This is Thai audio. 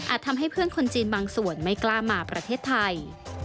ทำให้เพื่อนคนจีนบางส่วนไม่กล้ามาประเทศไทย